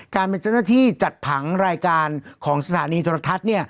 การเป็นเจ้าหน้าที่จัดผังรายการของสถานีโทรทัศน์